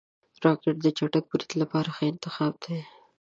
راکټ د چټک برید لپاره ښه انتخاب دی